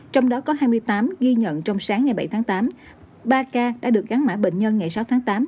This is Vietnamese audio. trong đó có hai mươi tám ghi nhận trong sáng ngày bảy tháng tám ba ca đã được gắn mã bệnh nhân ngày sáu tháng tám